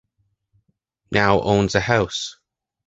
Now owns a house